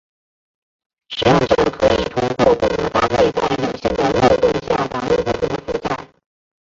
使用者可以通过不同的搭配在有限的漏洞下导入不同的负载。